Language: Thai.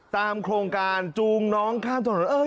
โครงการจูงน้องข้ามถนน